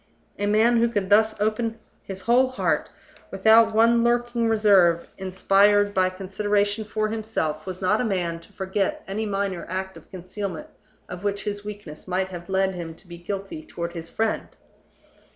A man who could thus open his whole heart, without one lurking reserve inspired by consideration for himself, was not a man to forget any minor act of concealment of which his weakness might have led him to be guilty toward his friend.